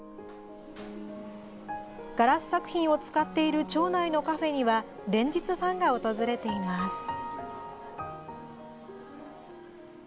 ガラス作品を使っている町内のカフェには連日ファンが訪れています。